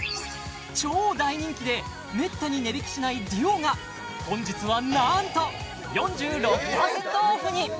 超大人気でめったに値引きしないＤＵＯが本日はなんと４６％オフに！